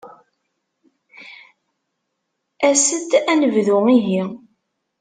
As-d ad nebdu, ihi.